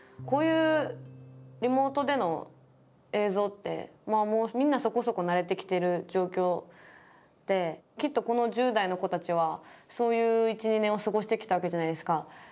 こういうリモートでの映像ってまあもうみんなそこそこ慣れてきてる状況できっとこの１０代の子たちはそういう１２年を過ごしてきたわけじゃないですか。